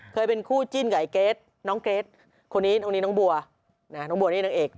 เคยเป็นคู่จิ้นกับไอ้เกรทน้องเกรทคนนี้น้องนี้น้องบัวน้องบัวนี่นางเอก